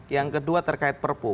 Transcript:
yang kedua terkait perpu